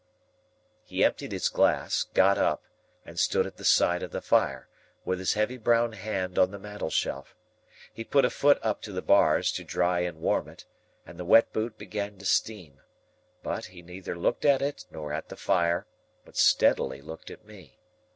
"Ah!" He emptied his glass, got up, and stood at the side of the fire, with his heavy brown hand on the mantel shelf. He put a foot up to the bars, to dry and warm it, and the wet boot began to steam; but, he neither looked at it, nor at the fire, but steadily looked at me.